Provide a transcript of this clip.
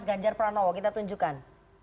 ganjar pranowo kita tunjukkan